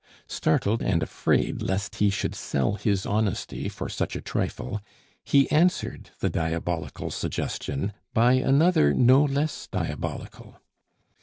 Startled and afraid lest he should sell his honesty for such a trifle, he answered the diabolical suggestion by another no less diabolical.